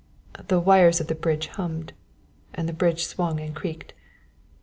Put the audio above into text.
The wires of the bridge hummed and the bridge swung and creaked.